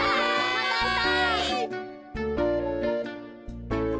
またあした。